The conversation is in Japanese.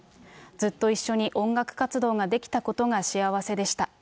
ずっと一緒に音楽活動ができたことが幸せでした。